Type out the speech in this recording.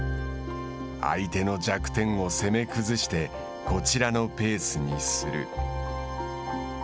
相手の弱点を攻め崩してこちらのペースにする。